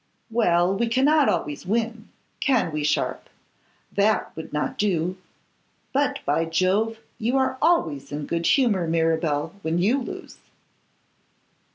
'Well, we cannot always win. Can we, Sharpe? That would not do. But, by Jove! you are always in good humour, Mirabel, when you lose.